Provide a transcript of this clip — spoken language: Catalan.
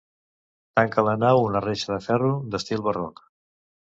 Tanca la nau una reixa de ferro, d'estil barroc.